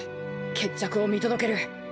決着を見届ける。